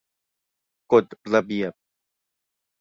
กฎระเบียบ